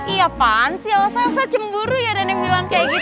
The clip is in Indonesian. iya apaan sih elsa elsa cemburu ya nenek bilang kayak gitu